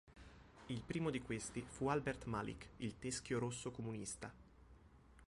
Il primo di questi fu Albert Malik, il Teschio Rosso comunista.